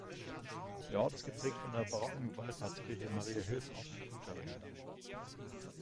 Der Ort ist geprägt von der barocken Wallfahrtskirche Maria Hilf ob Guttaring.